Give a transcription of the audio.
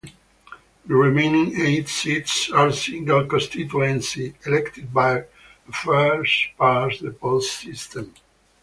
The remaining eight seats are single constituency, elected by a first-past-the-post system.